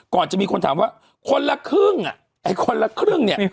ก่อนจะมีคนถามว่าคนละครึ่งอ่ะไอ้คนละครึ่งเนี่ย